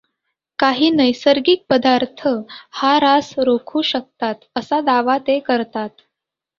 काही नैसर्गिक पदार्थ हा ऱ्हास रोखू शकतात, असा दावा ते करतात.